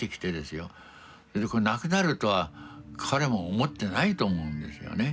これなくなるとは彼も思ってないと思うんですよね。